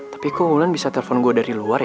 tapi kok ulan bisa telepon gua dari luar ya